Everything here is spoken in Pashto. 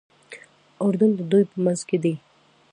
اردن د دوی په منځ کې دی.